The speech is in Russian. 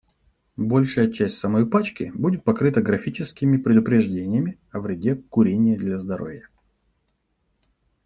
Большая часть самой пачки будет покрыта графическими предупреждениями о вреде курения для здоровья.